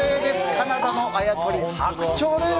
カナダのあやとり白鳥です。